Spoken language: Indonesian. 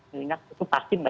minyak itu pasti mbak